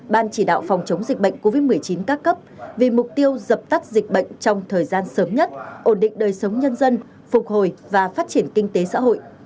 ban chỉ đạo phòng chống dịch bệnh covid một mươi chín các cấp vì mục tiêu dập tắt dịch bệnh trong thời gian sớm nhất ổn định đời sống nhân dân phục hồi và phát triển kinh tế xã hội